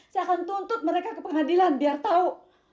saya akan tuntut mereka ke pengadilan biar tahu